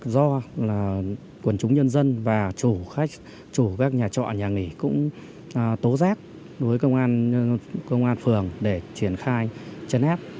do quần chúng nhân dân và chủ các nhà trọ nhà nghỉ cũng tố rác với công an phường để triển khai chấn ép